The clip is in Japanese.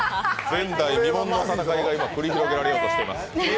前代未聞の戦いが繰り広げられようとしています。